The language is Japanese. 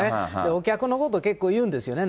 お客のことを、結構、言うんですよね。